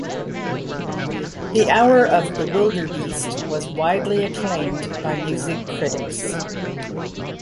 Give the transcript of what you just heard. "The Hour of Bewilderbeast" was widely acclaimed by music critics.